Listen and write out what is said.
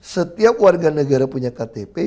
setiap warga negara punya ktp